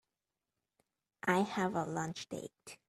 I have a lunch date.